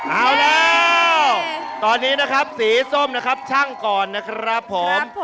เอาแล้วตอนนี้นะครับสีส้มนะครับชั่งก่อนนะครับผม